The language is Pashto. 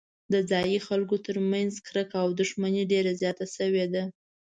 د ځايي خلکو ترمنځ کرکه او دښمني ډېره زیاته شوې ده.